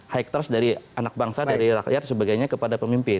high trust dari anak bangsa dari rakyat dan sebagainya kepada pemimpin